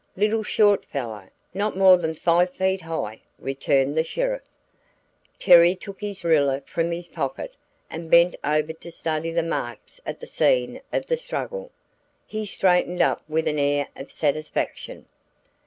"Little short fellow not more than five feet high," returned the sheriff. Terry took his ruler from his pocket and bent over to study the marks at the scene of the struggle. He straightened up with an air of satisfaction.